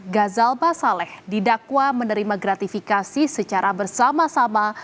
gazal basaleh didakwa menerima gratifikasi secara bersama sama